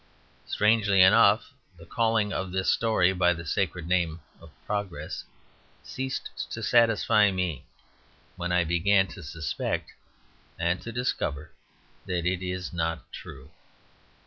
Strangely enough, the calling of this story by the sacred name of Progress ceased to satisfy me when I began to suspect (and to discover) that it is not true.